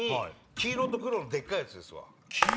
黄色と黒のでっかいやつ？